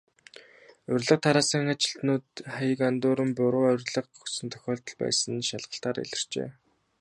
Урилга тараасан ажилтнууд хаяг андууран, буруу урилга өгсөн тохиолдол байсан нь шалгалтаар илэрчээ.